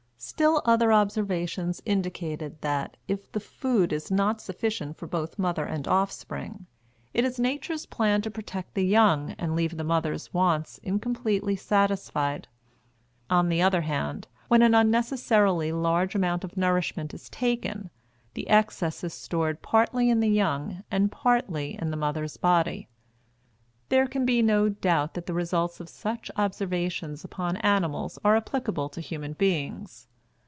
Still other observations indicated that, if the food is not sufficient for both mother and offspring, it is Nature's plan to protect the young and leave the mother's wants incompletely satisfied. On the other hand, when an unnecessarily large amount of nourishment is taken, the excess is stored partly in the young, and partly in the mother's body. There can be no doubt that the results of such observations upon animals are applicable to human beings.